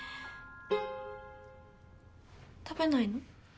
食べないの？